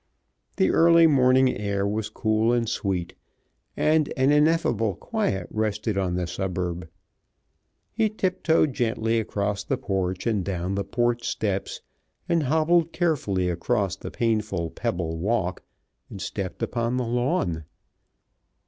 The early morning air was cool and sweet, and an ineffable quiet rested on the suburb. He tip toed gently across the porch and down the porch steps, and hobbled carefully across the painful pebble walk and stepped upon the lawn.